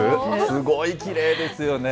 すごいきれいですよね。